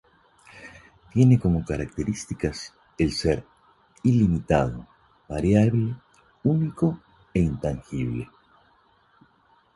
Tiene como características el ser ilimitado, variable, único e intangible.